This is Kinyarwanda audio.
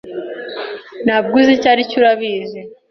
Ntabwo uzi icyo aricyo, urabizi?